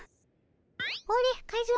ほれカズマ。